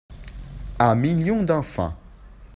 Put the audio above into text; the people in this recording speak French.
Un million d'enfants.